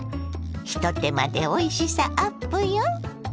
一手間でおいしさアップよ！